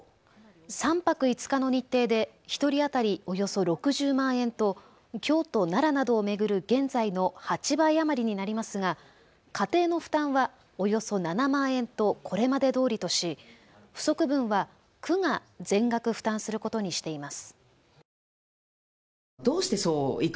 ３泊５日の日程で１人当たりおよそ６０万円と京都・奈良などを巡る現在の８倍余りになりますが家庭の負担はおよそ７万円とこれまでどおりとし不足分は区が全額負担することにしています。